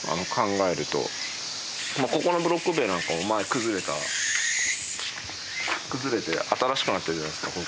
ここのブロック塀なんかも前崩れた崩れて新しくなってるじゃないですか